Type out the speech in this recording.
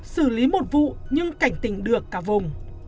xử lý một vụ nhưng cảnh tỉnh được cả vùng